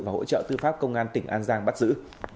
và hỗ trợ tư pháp công an tỉnh an giang bắt giữ